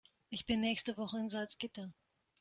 Ich bin nächste Woche in Salzgitter